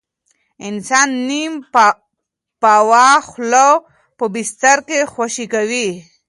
انسان نیم پاوه خوله په بستر کې خوشې کوي.